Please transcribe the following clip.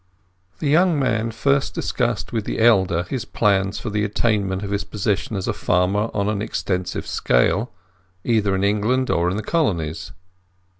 The young man first discussed with the elder his plans for the attainment of his position as a farmer on an extensive scale—either in England or in the Colonies.